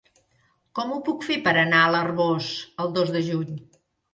Com ho puc fer per anar a l'Arboç el dos de juny?